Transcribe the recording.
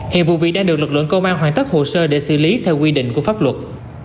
hiện vụ việc đang được lực lượng công an hoàn tất hồ sơ để xử lý theo quy định của pháp luật